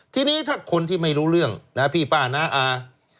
ทีนี้ถ้าคนที่ไม่รู้เรื่องนะพี่ป้าน้าอา